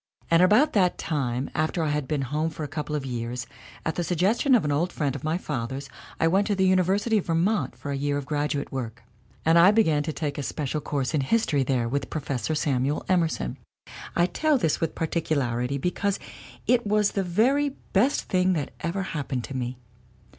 And about that time, after I had been home for a couple of years, at the suggestion of an old friend of my father's I went to the Uni versity of Vermont for a year of graduate work. And I began to take a special course in history there with Professor Samuel Emerson. "I tell this with particularity, because it was the very best thing that ever happened to me.